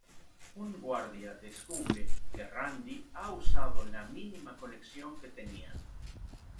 Un guardia descubre que Randy ha usado la mínima conexión que tenían.